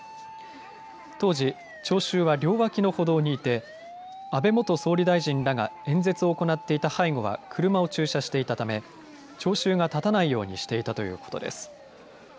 当時、聴衆は両脇の歩道にいて安倍元総理大臣らが演説を行っていた背後は車を駐車していたため聴衆が立たないようにしていたということです。